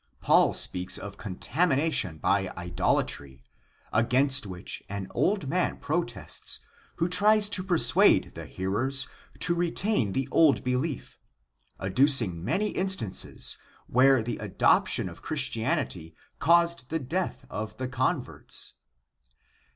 Paul speaks of con tamination by idolatry, against which an old man protests who tries to persuade the hearers to retain the old belief, adducing many instances, where the adoption of Christianity caused the death of the converts.